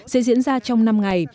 sẽ diễn ra trong năm ngày